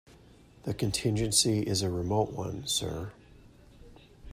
The contingency is a remote one, sir.